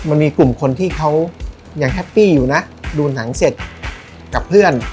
มันมีกลุ่มคนที่เขายังแฮปปี้อยู่นะดูหนังเสร็จกับเพื่อน